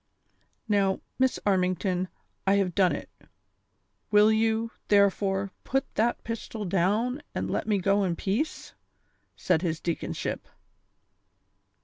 "Now, Miss Armington, I have done it; will you, therefore, put that pistol down, and let me go in peace V " said his deaconship.